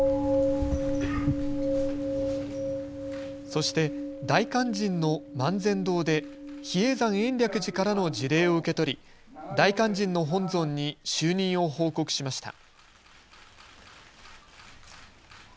そして大勧進の萬善堂で比叡山延暦寺からの辞令を受け取り大勧進の本尊に就任を報告しました。